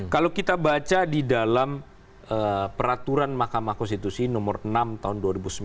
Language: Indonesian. kalau kita baca di dalam peraturan mahkamah konstitusi nomor enam tahun dua ribu sembilan